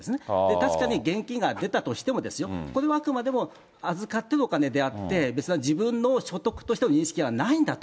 確かに現金が出たとしても、これはあくまでも預かっているお金であって、ですから、自分の所得としての認識はないんだと。